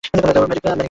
লেবুর meringue cake.